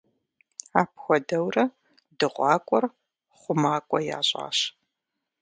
Апхуэдэу дыгъуакӏуэр хъумакӏуэ ящӏащ.